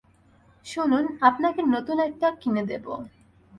শুনুন, আপনাকে নতুন একটা কিনে দেব।